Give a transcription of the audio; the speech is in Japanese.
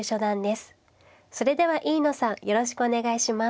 それでは飯野さんよろしくお願いします。